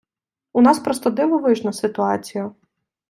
У нас просто дивовижна ситуація.